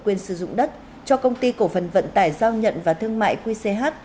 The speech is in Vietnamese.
quyền sử dụng đất cho công ty cổ phần vận tải giao nhận và thương mại qch